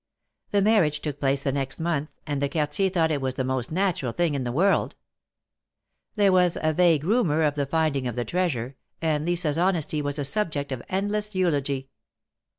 The marriage took place the next month, and the Quartier thought it the most natural thing in the world. There was a vague rumor of the finding of the treasure, and Lisa's honesty was a subject of endless eulogy.